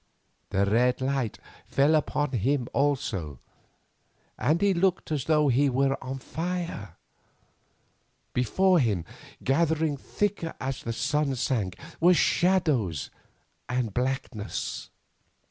The red light fell upon him also, and he looked as though he were on fire. Before him, gathering thicker as the sun sank, were shadows and blackness.